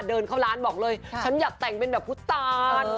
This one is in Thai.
เดินเข้าร้านบอกเลยฉันอยากแต่งเป็นแบบพุทธตาน